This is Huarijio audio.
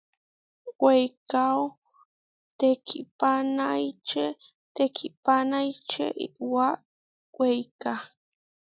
Weikáo tekihpanáiče teikhpanáiče Iʼwá weiká.